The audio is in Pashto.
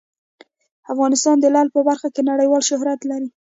افغانستان د لعل په برخه کې نړیوال شهرت لري.